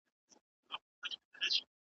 یو دی ښه وي نور له هر چا ګیله من وي `